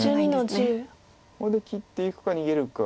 これで切っていくか逃げるか。